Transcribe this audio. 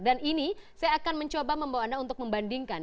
dan ini saya akan mencoba membawa anda untuk membandingkan